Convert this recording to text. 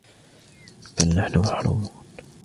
بل نحن محرومون